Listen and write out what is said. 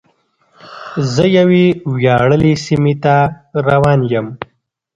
زه یوې ویاړلې سیمې ته روان یم.